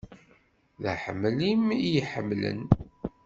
D aḥemmel-im i y-iḥemmlen.